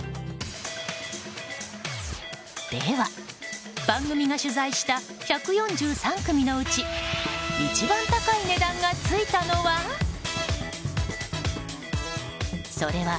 では、番組が取材した１４３組のうち一番高い値段がついたのは？